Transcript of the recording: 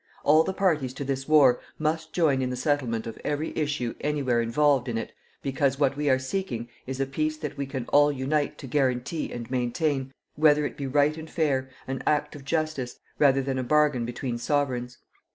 All the parties to this war must join in the settlement of every issue anywhere involved in it because what we are seeking is a peace that we can all unite to guarantee and maintain whether it be right and fair, an act of justice, rather than a bargain between sovereigns.